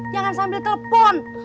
jangan sambil telepon